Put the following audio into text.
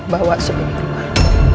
bawa sup ini keluar